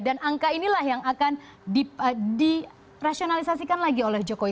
dan angka inilah yang akan dirasionalisasikan lagi oleh jokowi